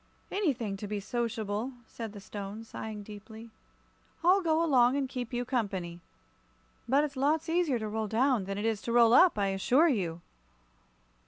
"Anything to be sociable," said the Stone, sighing deeply. "I'll go along and keep you company. But it's lots easier to roll down than it is to roll up, I assure you!"